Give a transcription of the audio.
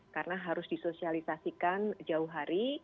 karena harus disosialisasikan jauh hari